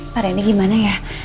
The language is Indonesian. pak reni gimana ya